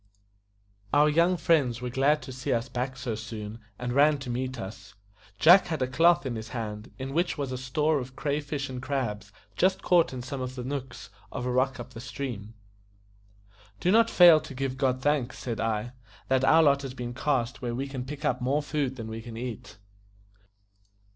Our young friends were glad to see us back so soon, and ran to meet us; Jack had a cloth in his hand, in which was a store of cray fish and crabs just caught in some of the nooks of a rock up the stream. "Do not fail to give God thanks," said I, "that our lot has been cast where we can pick up more food than we can eat."